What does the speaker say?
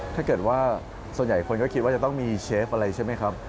ถ้าเกิดว่าส่วนใหญ่คนก็คิดว่าจะต้องมีเชฟอะไรใช่ไหมครับ